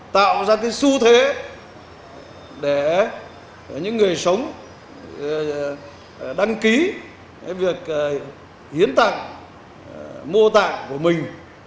tạo ra su thế để những người sống đăng ký việc hiến tạng mô tạng của mình